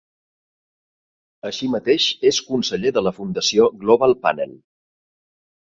Així mateix és conseller de la Fundació Global Panel.